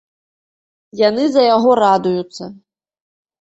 Яны за яго радуюцца.